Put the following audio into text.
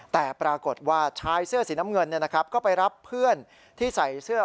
แต่ปรากฏว่าชายเสื้อสีน้ำเงินก็ไปรับเพื่อนที่ใส่เสื้อ